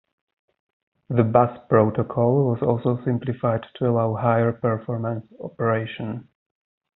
The bus protocol was also simplified to allow higher performance operation.